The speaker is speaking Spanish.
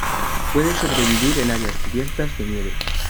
Puede sobrevivir en áreas cubiertas de nieve.